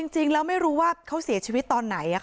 จริงแล้วไม่รู้ว่าเขาเสียชีวิตตอนไหน